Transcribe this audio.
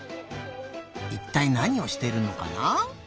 いったいなにをしてるのかな？